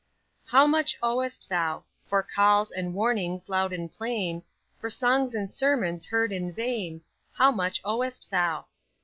"How much owest thou? For calls, and warnings loud and plain, For songs and sermons heard in vain How much owest thou?